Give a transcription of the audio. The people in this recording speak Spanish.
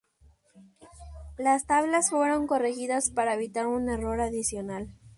Las tablas fueron corregidas para evitar un error adicional.